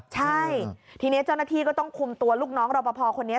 ใช่ทีนี้เจ้าหน้าที่ก็ต้องคุมตัวลูกน้องรอปภคนนี้